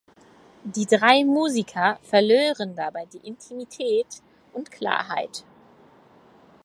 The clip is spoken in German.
Die drei Musiker verlören dabei die Intimität und Klarheit.